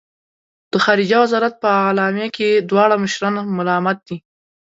د خارجه وزارت په اعلامیه کې دواړه مشران ملامت دي.